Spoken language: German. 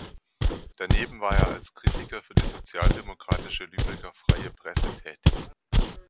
Daneben war er als Kritiker für die sozialdemokratische Lübecker Freie Presse tätig.